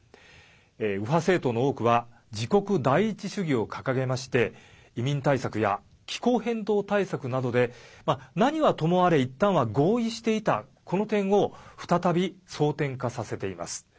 右派政党の多くは自国第一主義を掲げまして移民対策や気候変動対策などで何はともあれいったんは合意していた点を再び争点化させています。